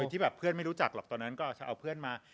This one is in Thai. ที่แบบเพื่อนไม่รู้จักหรอกตอนนั้นก็เอาเพื่อนมา